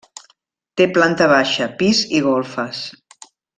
Té planta baixa, pis i golfes.